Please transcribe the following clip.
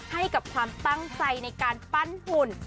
ให้กับความตั้งใจในการปั้นหุ่น